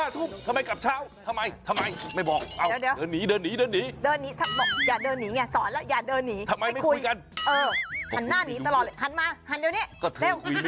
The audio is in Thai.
ถูกต้องครับ